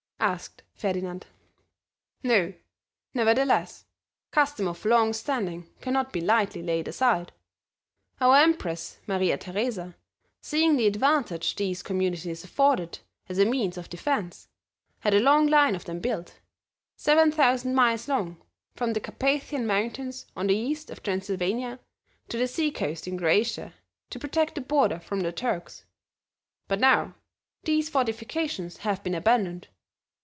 asked Ferdinand. "No. Nevertheless custom of long standing cannot be lightly laid aside. Our empress Maria Theresa, seeing the advantage these communities afforded as a means of defense, had a long line of them built, seven thousand miles long, from the Carpathian Mountains on the east of Transylvania to the sea coast in Croatia to protect the border from the Turks, but now these fortifications have been abandoned.